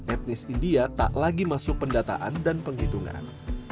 etnis india tak lagi masuk pendataan dan penghitungan